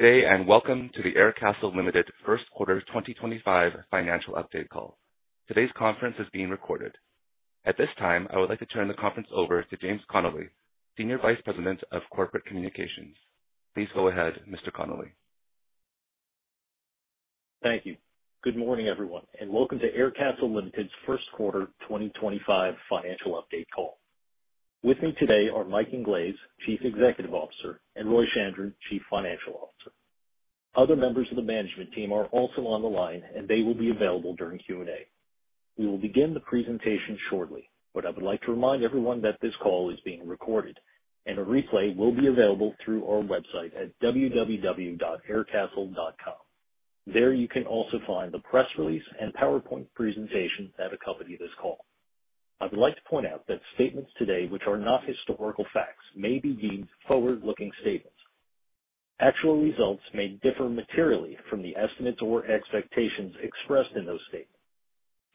Today, and welcome to the Aircastle Limited first quarter 2025 financial update call. Today's conference is being recorded. At this time, I would like to turn the conference over to James Connelly, Senior Vice President of Corporate Communications. Please go ahead, Mr. Connelly. Thank you. Good morning, everyone, and welcome to Aircastle Limited's first quarter 2025 financial update call. With me today are Mike Inglese, Chief Executive Officer, and Roy Chandran, Chief Financial Officer. Other members of the management team are also on the line, and they will be available during Q&A. We will begin the presentation shortly, but I would like to remind everyone that this call is being recorded, and a replay will be available through our website at www.aircastle.com. There you can also find the press release and PowerPoint presentation that accompany this call. I would like to point out that statements today, which are not historical facts, may be deemed forward-looking statements. Actual results may differ materially from the estimates or expectations expressed in those statements.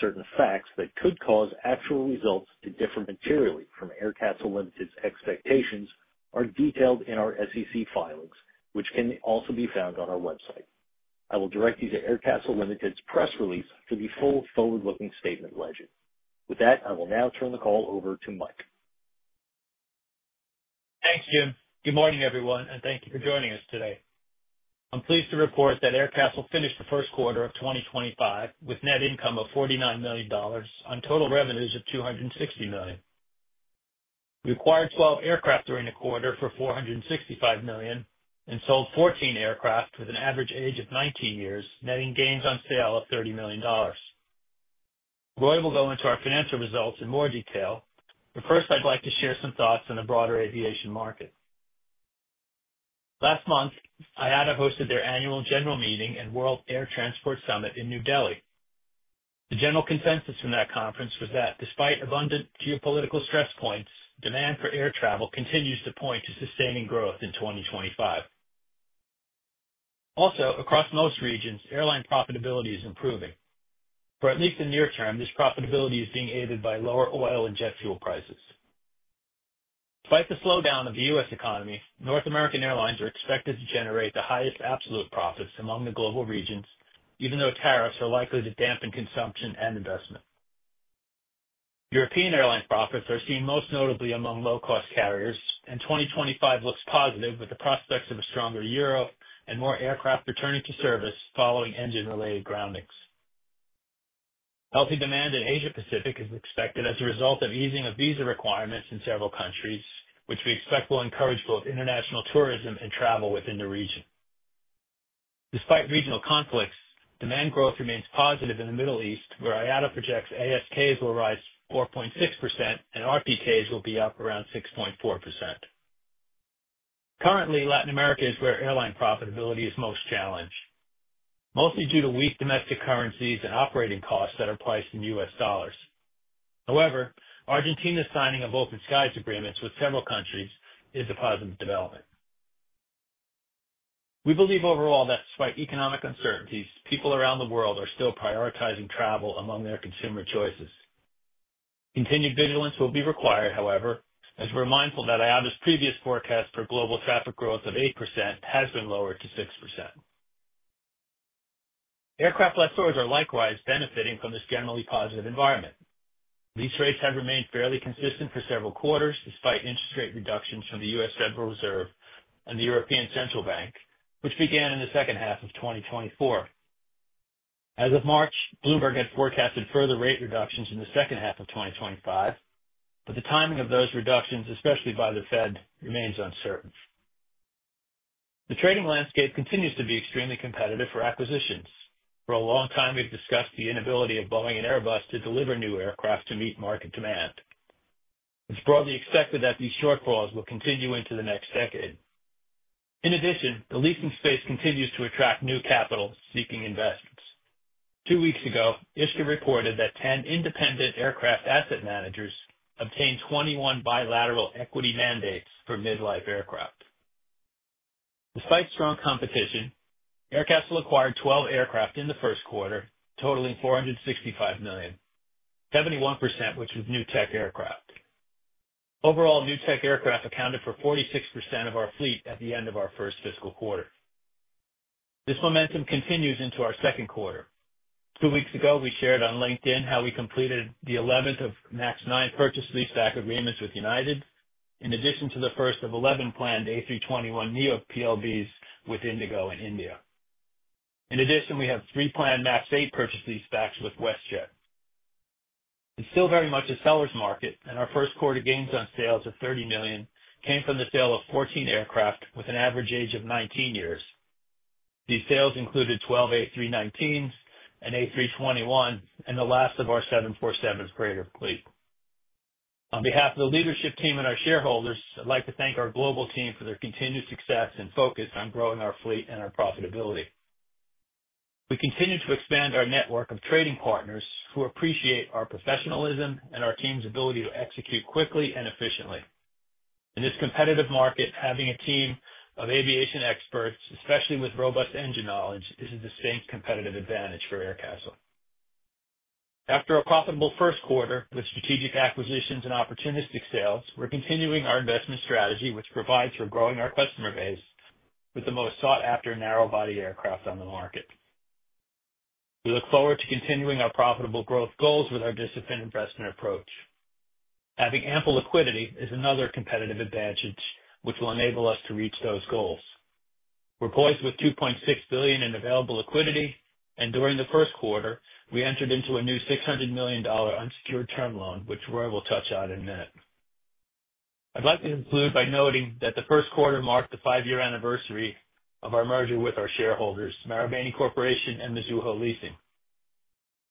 Certain facts that could cause actual results to differ materially from Aircastle Limited's expectations are detailed in our SEC filings, which can also be found on our website. I will direct you to Aircastle Limited's press release for the full forward-looking statement legend. With that, I will now turn the call over to Mike. Thanks, Jim. Good morning, everyone, and thank you for joining us today. I'm pleased to report that Aircastle finished the first quarter of 2025 with net income of $49 million on total revenues of $260 million. We acquired 12 aircraft during the quarter for $465 million and sold 14 aircraft with an average age of 19 years, netting gains on sale of $30 million. Roy will go into our financial results in more detail, but first I'd like to share some thoughts on the broader aviation market. Last month, IATA hosted their annual general meeting and World Air Transport Summit in New Delhi. The general consensus from that conference was that despite abundant geopolitical stress points, demand for air travel continues to point to sustaining growth in 2025. Also, across most regions, airline profitability is improving. For at least the near term, this profitability is being aided by lower oil and jet fuel prices. Despite the slowdown of the U.S. economy, North American airlines are expected to generate the highest absolute profits among the global regions, even though tariffs are likely to dampen consumption and investment. European airline profits are seen most notably among low-cost carriers, and 2025 looks positive with the prospects of a stronger euro and more aircraft returning to service following engine-related groundings. Healthy demand in Asia-Pacific is expected as a result of easing of visa requirements in several countries, which we expect will encourage both international tourism and travel within the region. Despite regional conflicts, demand growth remains positive in the Middle East, where IATA projects ASKs will rise 4.6% and RPKs will be up around 6.4%. Currently, Latin America is where airline profitability is most challenged, mostly due to weak domestic currencies and operating costs that are priced in U.S. dollars. However, Argentina's signing of open skies agreements with several countries is a positive development. We believe overall that despite economic uncertainties, people around the world are still prioritizing travel among their consumer choices. Continued vigilance will be required, however, as we're mindful that IATA's previous forecast for global traffic growth of 8% has been lowered to 6%. Aircraft lessors are likewise benefiting from this generally positive environment. Leas rates have remained fairly consistent for several quarters despite interest rate reductions from the U.S. Federal Reserve and the European Central Bank, which began in the second half of 2024. As of March, Bloomberg had forecasted further rate reductions in the second half of 2025, but the timing of those reductions, especially by the Fed, remains uncertain. The trading landscape continues to be extremely competitive for acquisitions. For a long time, we've discussed the inability of Boeing and Airbus to deliver new aircraft to meet market demand. It's broadly expected that these shortfalls will continue into the next decade. In addition, the leasing space continues to attract new capital seeking investments. Two weeks ago, Ishka reported that 10 independent aircraft asset managers obtained 21 bilateral equity mandates for mid-life aircraft. Despite strong competition, Aircastle acquired 12 aircraft in the first quarter, totaling $465 million, 71% which was new tech aircraft. Overall, new tech aircraft accounted for 46% of our fleet at the end of our first fiscal quarter. This momentum continues into our second quarter. Two weeks ago, we shared on LinkedIn how we completed the 11th of MAX 9 purchase lease back agreements with United, in addition to the first of 11 planned A321neo PLBs with IndiGo in India. In addition, we have three planned MAX 8 purchase lease backs with WestJet. It's still very much a seller's market, and our first quarter gains on sales of $30 million came from the sale of 14 aircraft with an average age of 19 years. These sales included 12 A319s and A321s and the last of our 747s in our fleet. On behalf of the leadership team and our shareholders, I'd like to thank our global team for their continued success and focus on growing our fleet and our profitability. We continue to expand our network of trading partners who appreciate our professionalism and our team's ability to execute quickly and efficiently. In this competitive market, having a team of aviation experts, especially with robust engine knowledge, is a distinct competitive advantage for Aircastle. After a profitable first quarter with strategic acquisitions and opportunistic sales, we're continuing our investment strategy, which provides for growing our customer base with the most sought-after narrow-body aircraft on the market. We look forward to continuing our profitable growth goals with our disciplined investment approach. Having ample liquidity is another competitive advantage, which will enable us to reach those goals. We're poised with $2.6 billion in available liquidity, and during the first quarter, we entered into a new $600 million unsecured term loan, which Roy will touch on in a minute. I'd like to conclude by noting that the first quarter marked the five-year anniversary of our merger with our shareholders, Marubeni Corporation and Mizuho Leasing.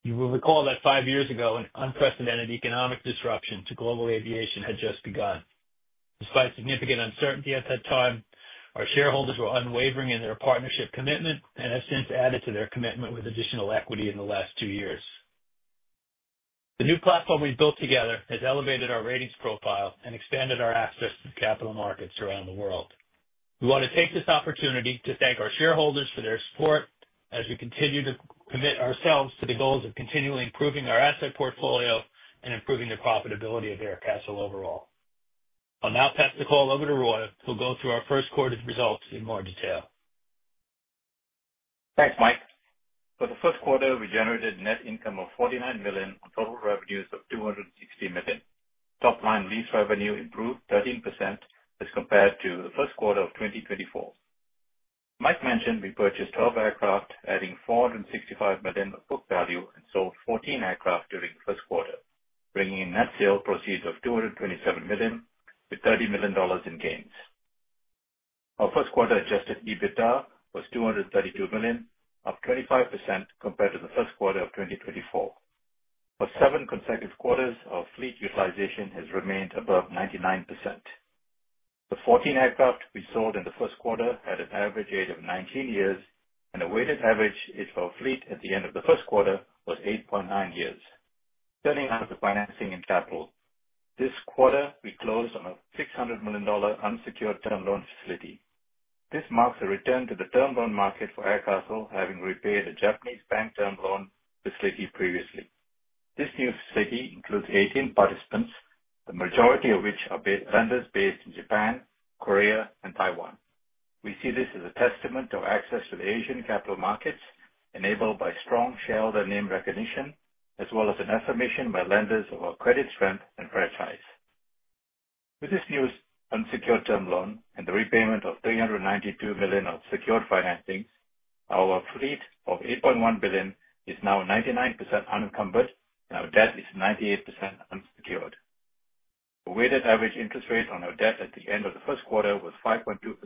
You will recall that five years ago, an unprecedented economic disruption to global aviation had just begun. Despite significant uncertainty at that time, our shareholders were unwavering in their partnership commitment and have since added to their commitment with additional equity in the last two years. The new platform we've built together has elevated our ratings profile and expanded our access to the capital markets around the world. We want to take this opportunity to thank our shareholders for their support as we continue to commit ourselves to the goals of continually improving our asset portfolio and improving the profitability of Aircastle overall. I'll now pass the call over to Roy, who will go through our first quarter's results in more detail. Thanks, Mike. For the first quarter, we generated net income of $49 million on total revenues of $260 million. Top-line lease revenue improved 13% as compared to the first quarter of 2024. Mike mentioned we purchased 12 aircraft, adding $465 million of book value, and sold 14 aircraft during the first quarter, bringing in net sale proceeds of $227 million, with $30 million in gains. Our first quarter Adjusted EBITDA was $232 million, up 25% compared to the first quarter of 2024. For seven consecutive quarters, our fleet utilization has remained above 99%. The 14 aircraft we sold in the first quarter had an average age of 19 years, and the weighted average age of our fleet at the end of the first quarter was 8.9 years. Turning now to financing and capital. This quarter, we closed on a $600 million unsecured term loan facility. This marks a return to the term loan market for Aircastle, having repaid a Japanese bank term loan facility previously. This new facility includes 18 participants, the majority of which are vendors based in Japan, Korea, and Taiwan. We see this as a testament to our access to the Asian capital markets, enabled by strong shareholder name recognition, as well as an affirmation by lenders of our credit strength and franchise. With this new unsecured term loan and the repayment of $392 million of secured financing, our fleet of $8.1 billion is now 99% unencumbered, and our debt is 98% unsecured. The weighted average interest rate on our debt at the end of the first quarter was 5.2%,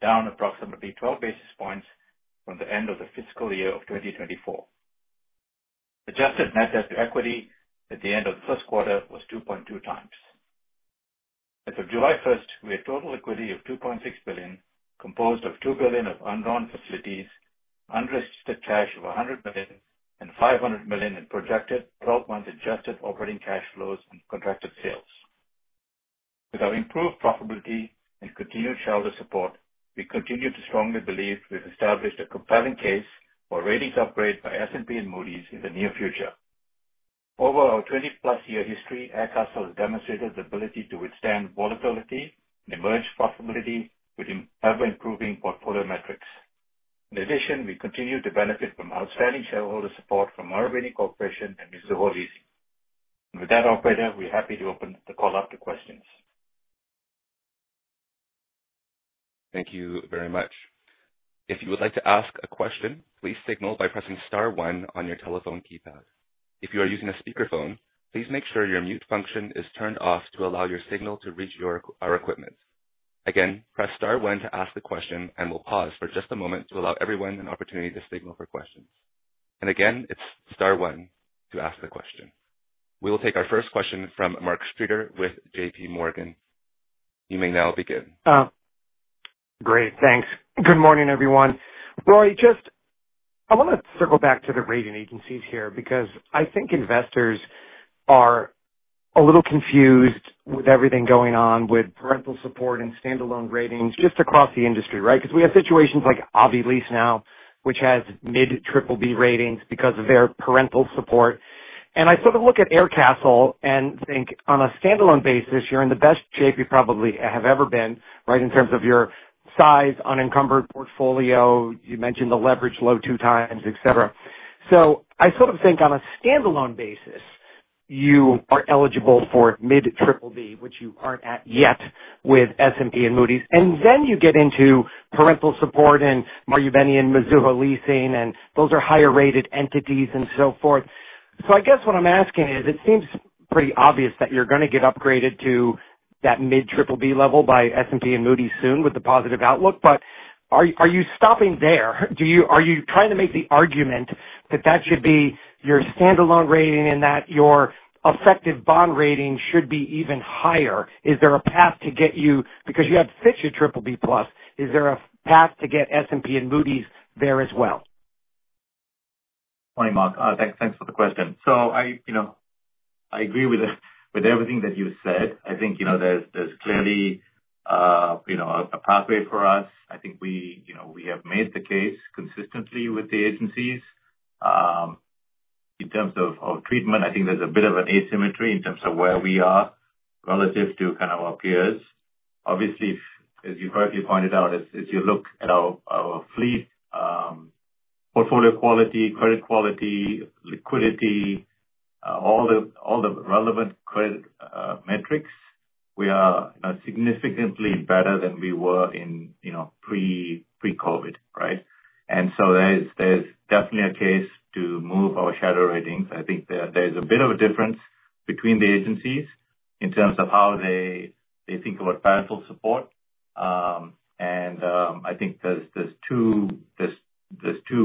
down approximately 12 basis points from the end of the fiscal year of 2024. Adjusted net debt to equity at the end of the first quarter was 2.2x. As of July 1st, we had total liquidity of $2.6 billion, composed of $2 billion of undrawn facilities, unrestricted cash of $100 million, and $500 million in projected 12-month adjusted operating cash flows and contracted sales. With our improved profitability and continued shareholder support, we continue to strongly believe we've established a compelling case for a ratings upgrade by S&P and Moody's in the near future. Over our 20-plus year history, Aircastle has demonstrated the ability to withstand volatility and emerge profitably with ever-improving portfolio metrics. In addition, we continue to benefit from outstanding shareholder support from Marubeni Corporation and Mizuho Leasing. With that, operator, we're happy to open the call up to questions. Thank you very much. If you would like to ask a question, please signal by pressing Star 1 on your telephone keypad. If you are using a speakerphone, please make sure your mute function is turned off to allow your signal to reach our equipment. Again, press Star 1 to ask the question, and we'll pause for just a moment to allow everyone an opportunity to signal for questions. And again, it's Star 1 to ask the question. We will take our first question from Mark Streeter with JPMorgan. You may now begin. Great. Thanks. Good morning, everyone. Roy, just I want to circle back to the rating agencies here because I think investors are a little confused with everything going on with parental support and standalone ratings just across the industry, right? Because we have situations like AviLease now, which has mid-BBB ratings because of their parental support. And I sort of look at Aircastle and think, on a standalone basis, you're in the best shape you probably have ever been, right, in terms of your size, unencumbered portfolio. You mentioned the leverage low two times, etc. So I sort of think on a standalone basis, you are eligible for mid-BBB, which you aren't at yet with S&P and Moody's. And then you get into parental support and Marubeni and Mizuho Leasing, and those are higher-rated entities and so forth. So I guess what I'm asking is, it seems pretty obvious that you're going to get upgraded to that mid-BBB level by S&P and Moody's soon with the positive outlook, but are you stopping there? Are you trying to make the argument that that should be your standalone rating and that your effective bond rating should be even higher? Is there a path to get you because you have such a BBB plus, is there a path to get S&P and Moody's there as well? Hi, Mark. Thanks for the question. So I agree with everything that you said. I think there's clearly a pathway for us. I think we have made the case consistently with the agencies. In terms of treatment, I think there's a bit of an asymmetry in terms of where we are relative to kind of our peers. Obviously, as you've rightly pointed out, as you look at our fleet, portfolio quality, credit quality, liquidity, all the relevant credit metrics, we are significantly better than we were in pre-COVID, right? And so there's definitely a case to move our shadow ratings. I think there's a bit of a difference between the agencies in terms of how they think about parental support. And I think there's two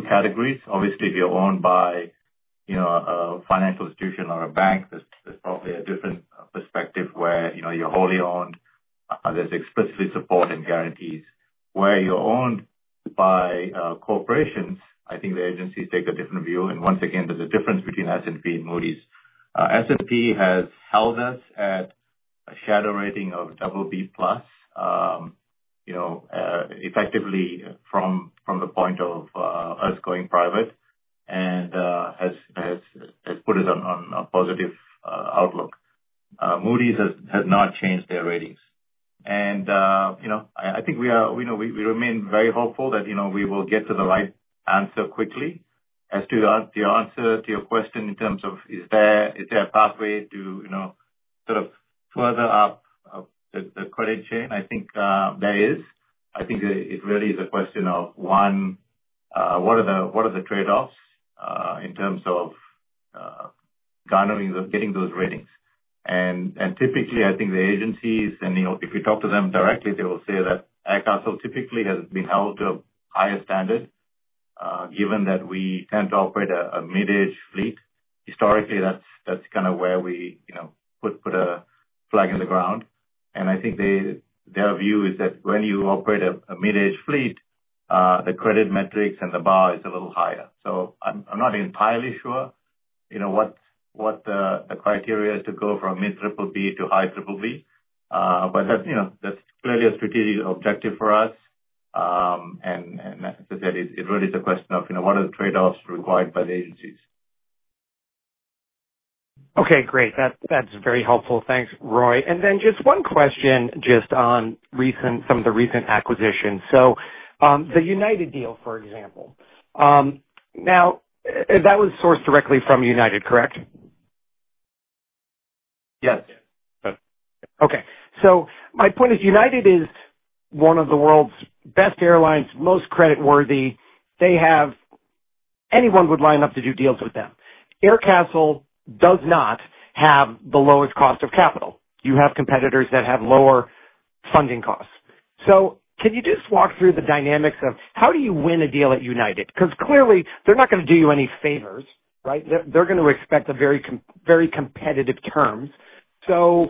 categories. Obviously, if you're owned by a financial institution or a bank, there's probably a different perspective where you're wholly owned. is explicit support and guarantees where you're owned by corporations. I think the agencies take a different view. Once again, there's a difference between S&P and Moody's. S&P has held us at a shadow rating of BBB plus, effectively from the point of us going private, and has put us on a positive outlook. Moody's has not changed their ratings. I think we remain very hopeful that we will get to the right answer quickly. As to the answer to your question in terms of, is there a pathway to sort of further up the credit chain, I think there is. I think it really is a question of, one, what are the trade-offs in terms of getting those ratings? And typically, I think the agencies, and if you talk to them directly, they will say that Aircastle typically has been held to a higher standard, given that we tend to operate a mid-age fleet. Historically, that's kind of where we put a flag in the ground. And I think their view is that when you operate a mid-age fleet, the credit metrics and the bar is a little higher. So I'm not entirely sure what the criteria is to go from mid-BBB to high-BBB, but that's clearly a strategic objective for us. And as I said, it really is a question of what are the trade-offs required by the agencies. Okay. Great. That's very helpful. Thanks, Roy. And then just one question just on some of the recent acquisitions. So the United deal, for example. Now, that was sourced directly from United, correct? Yes. Okay. So my point is United is one of the world's best airlines, most creditworthy. Anyone would line up to do deals with them. Aircastle does not have the lowest cost of capital. You have competitors that have lower funding costs. So can you just walk through the dynamics of how do you win a deal at United? Because clearly, they're not going to do you any favors, right? They're going to expect very competitive terms. So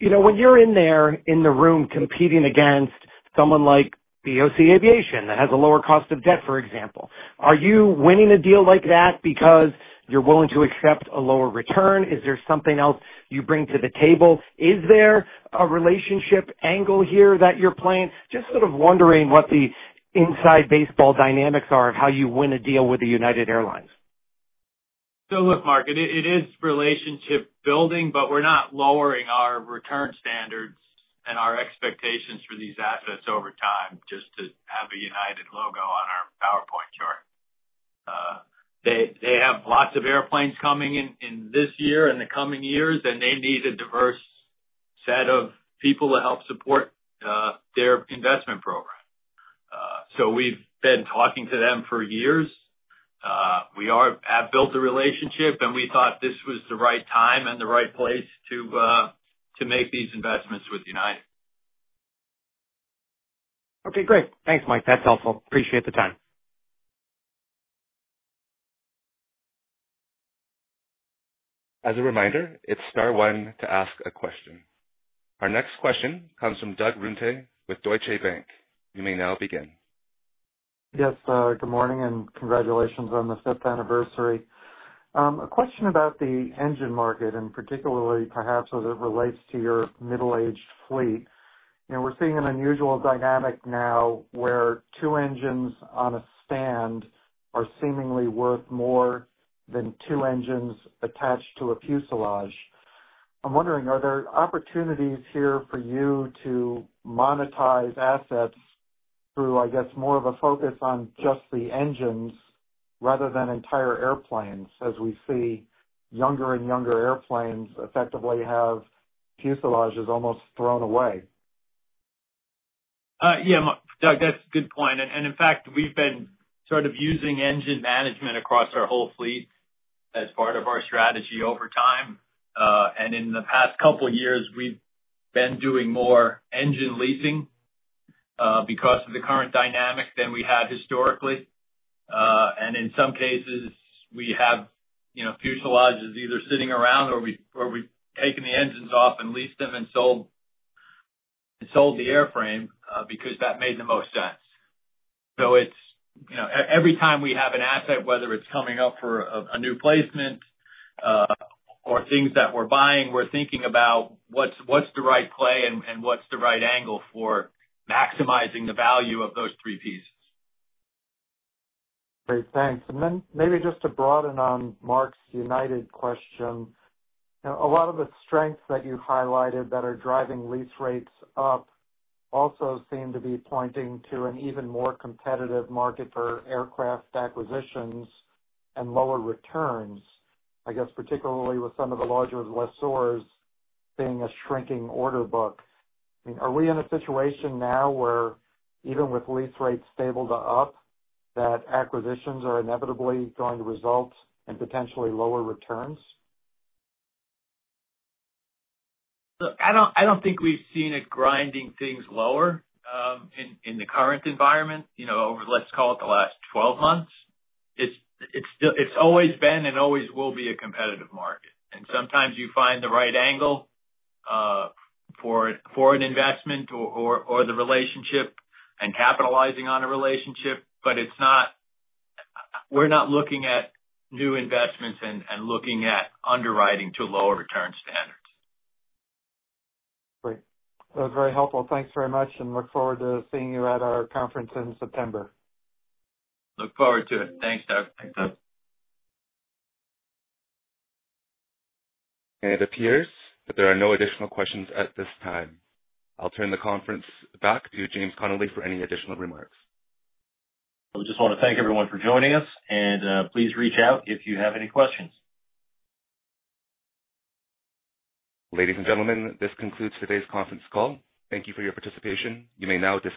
when you're in there in the room competing against someone like BOC Aviation that has a lower cost of debt, for example, are you winning a deal like that because you're willing to accept a lower return? Is there something else you bring to the table? Is there a relationship angle here that you're playing? Just sort of wondering what the inside baseball dynamics are of how you win a deal with United Airlines? So look, Mark, it is relationship building, but we're not lowering our return standards and our expectations for these assets over time just to have a United logo on our PowerPoint chart. They have lots of airplanes coming in this year and the coming years, and they need a diverse set of people to help support their investment program. So we've been talking to them for years. We have built a relationship, and we thought this was the right time and the right place to make these investments with United. Okay. Great. Thanks, Mike. That's helpful. Appreciate the time. As a reminder, it's Star 1 to ask a question. Our next question comes from Doug Runte with Deutsche Bank. You may now begin. Yes. Good morning, and congratulations on the fifth anniversary. A question about the engine market, and particularly perhaps as it relates to your middle-aged fleet. We're seeing an unusual dynamic now where two engines on a stand are seemingly worth more than two engines attached to a fuselage. I'm wondering, are there opportunities here for you to monetize assets through, I guess, more of a focus on just the engines rather than entire airplanes as we see younger and younger airplanes effectively have fuselages almost thrown away? Yeah, Doug, that's a good point. And in fact, we've been sort of using engine management across our whole fleet as part of our strategy over time. And in the past couple of years, we've been doing more engine leasing because of the current dynamic than we had historically. And in some cases, we have fuselages either sitting around or we've taken the engines off and leased them and sold the airframe because that made the most sense. So every time we have an asset, whether it's coming up for a new placement or things that we're buying, we're thinking about what's the right play and what's the right angle for maximizing the value of those three pieces. Great. Thanks. And then maybe just to build on Mark's United question, a lot of the strengths that you highlighted that are driving lease rates up also seem to be pointing to an even more competitive market for aircraft acquisitions and lower returns, I guess, particularly with some of the larger lessors having a shrinking order book. I mean, are we in a situation now where, even with lease rates stable and up, that acquisitions are inevitably going to result in potentially lower returns? Look, I don't think we've seen it grinding things lower in the current environment over, let's call it, the last 12 months. It's always been and always will be a competitive market, and sometimes you find the right angle for an investment or the relationship and capitalizing on a relationship, but we're not looking at new investments and looking at underwriting to lower return standards. Great. That was very helpful. Thanks very much, and look forward to seeing you at our conference in September. Look forward to it. Thanks, Doug. Thanks, Doug. And it appears that there are no additional questions at this time. I'll turn the conference back to James Connelly for any additional remarks. I would just want to thank everyone for joining us, and please reach out if you have any questions. Ladies and gentlemen, this concludes today's conference call. Thank you for your participation. You may now disconnect.